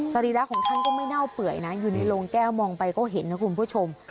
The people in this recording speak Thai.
รีระของท่านก็ไม่เน่าเปื่อยนะอยู่ในโรงแก้วมองไปก็เห็นนะคุณผู้ชม